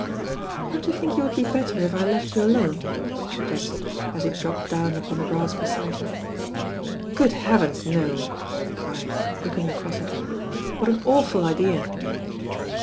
"Don't you think you would be better if I left you alone?" she suggested, as he dropped down upon the grass beside her. "Good heavens, no I" he cried, looking across at her. "What an awful idea."